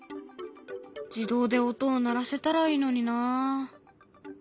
自動で音を鳴らせたらいいのにな。